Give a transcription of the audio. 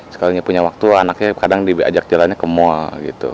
sekali lagi punya waktu anaknya kadang diajak jalannya ke mall gitu